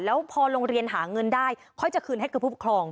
แล้วพอโรงเรียนหาเงินได้ค่อยจะคืนให้กับผู้ปกครอง